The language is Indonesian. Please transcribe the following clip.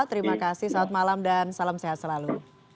terima kasih selamat malam dan salam sehat selalu